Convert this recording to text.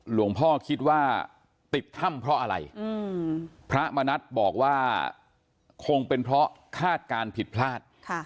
หลวงพ่อคิดว่าติดถ้ำเพราะอะไรพระมณัฐบอกว่าคงเป็นเพราะคาดการณ์ผิดพลาด